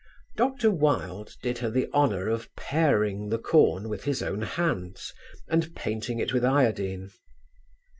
Dr. Wilde did her the honour of paring the corn with his own hands and painting it with iodine.